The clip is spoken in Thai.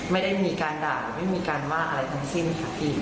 ไม่ได้มีการด่าไม่มีการว่าอะไรทั้งสิ้นค่ะพี่